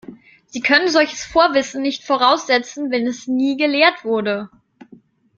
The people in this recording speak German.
Sie können solches Vorwissen nicht voraussetzen, wenn es nie gelehrt wurde.